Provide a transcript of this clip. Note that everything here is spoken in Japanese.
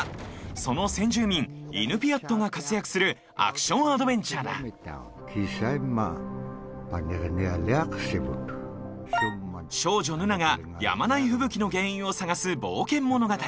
その先住民イヌピアットが活躍するアクションアドベンチャーだ少女ヌナがやまない吹雪の原因を探す冒険物語。